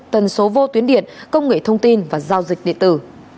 tần số vô tuyến điện công nghệ thông tin và giao dịch điện tử